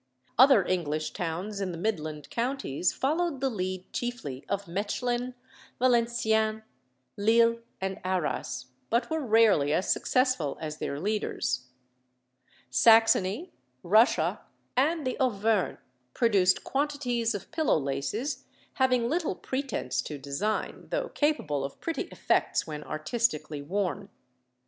Other English towns in the Midland counties followed the lead chiefly of Mechlin, Valenciennes, Lille, and Arras, but were rarely as successful as their leaders. Saxony, Russia, and the Auvergne produce quantities of pillow laces, having little pretence to design, though capable of pretty effects when artistically worn.